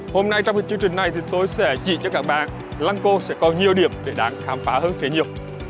hôm nay trong chương trình này thì tôi sẽ chỉ cho các bạn lăng cô sẽ có nhiều điểm để đáng khám phá hơn thế nhiều